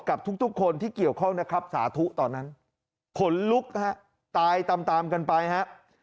กับทุกคนที่เกี่ยวข้องนะครับสาธุตอนนั้นขนลุกฮะตายตามตามกันไปฮะ